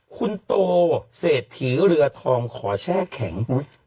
คุณโตเศรษฐีเรือทองขอแช่แข็ง